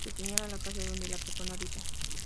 Se señala la casa donde la persona habita.